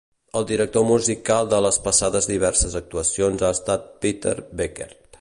El director musical de les passades diverses actuacions ha estat Peter Beckett.